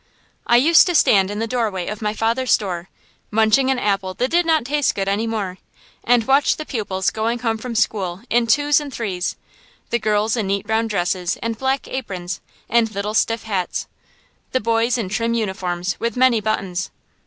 I used to stand in the doorway of my father's store, munching an apple that did not taste good any more, and watch the pupils going home from school in twos and threes; the girls in neat brown dresses and black aprons and little stiff hats, the boys in trim uniforms with many buttons.